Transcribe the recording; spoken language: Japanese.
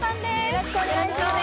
よろしくお願いします